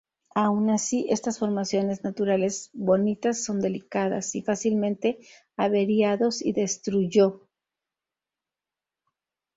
Aun así, estas formaciones naturales bonitas son delicadas y fácilmente averiados y destruyó.